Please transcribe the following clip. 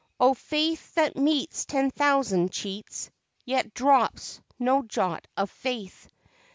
Oh Faith, that meets ten thousand cheats Yet drops no jot of faith!